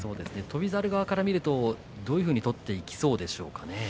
翔猿側から見るとどういうふうに取っていきそうですかね。